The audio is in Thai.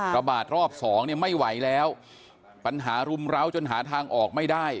ระบาดรอบสองเนี่ยไม่ไหวแล้วปัญหารุมร้าวจนหาทางออกไม่ได้